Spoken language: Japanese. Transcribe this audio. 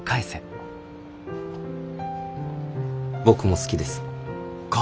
僕も好きです。